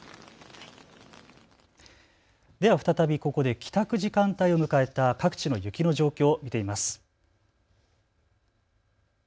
では再びここで帰宅時間帯を迎えた各地の雪の状況、見てみます。